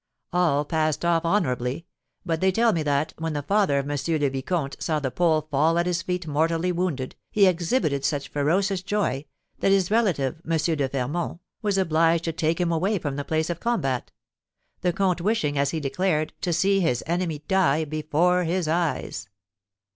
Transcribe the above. All passed off honourably; but they tell me that, when the father of M. le Vicomte saw the Pole fall at his feet mortally wounded, he exhibited such ferocious joy that his relative, M. de Fermont, was obliged to take him away from the place of combat; the comte wishing, as he declared, to see his enemy die before his eyes."